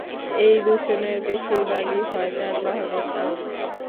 এই দূষণের বেশির ভাগই হয় যানবাহনের কারণে।